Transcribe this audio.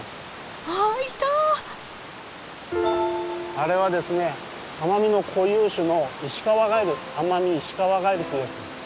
あれはですね奄美の固有種のアマミイシカワガエルというやつです。